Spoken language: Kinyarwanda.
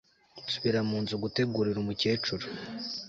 nsubira munzu gutegurira umukecuru